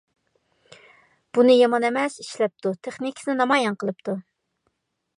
بۇنى يامان ئەمەس ئىشلەپتۇ، تېخنىكىسىنى نامايان قىلىپتۇ.